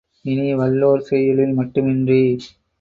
இனி, வல்லோர் செய்யுளில் மட்டுமன்றி